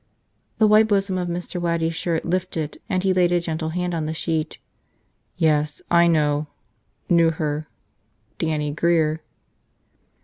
The white bosom of Mr. Waddy's shirt lifted and he laid a gentle hand on the sheet. "Yes, I know – knew her. Dannie Grear."